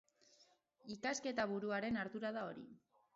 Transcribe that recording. Ikasketa buruaren ardura da hori.